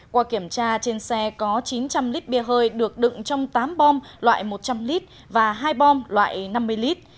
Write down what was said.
qua kiểm tra trên xe có chín trăm linh lít bia hơi được đựng trong tám bom loại một trăm linh lít và hai bom loại năm mươi lít